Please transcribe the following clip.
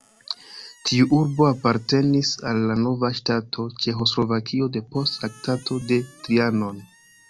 Tiu urbo apartenis al la nova ŝtato Ĉeĥoslovakio depost Traktato de Trianon.